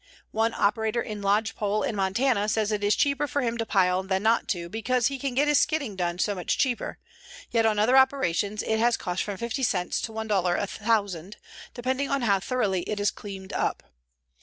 One operator in lodgepole in Montana says it is cheaper for him to pile than not to, because he can get his skidding done so much cheaper, yet on other operations it has cost from 50 cents to $1 a thousand, depending on how thoroughly it is cleaned up.